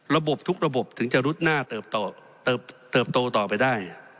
ระบบทุกระบบถึงจะรุดหน้าเติบโตต่อไปได้